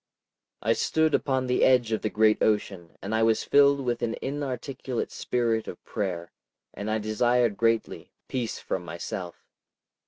I stood upon the edge of the great ocean, and I was filled with an inarticulate spirit of prayer, and I desired greatly—peace from myself.